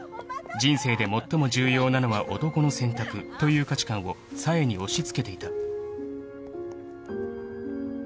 ［「人生で最も重要なのは男の選択」という価値観を冴に押し付けていた］